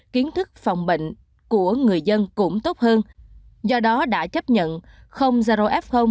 kiến thức phòng bệnh của người dân cũng tốt hơn do đó đã chấp nhận không zaro f